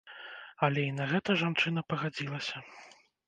Але і на гэта жанчына пагадзілася.